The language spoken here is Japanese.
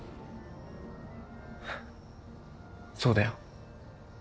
そうだよ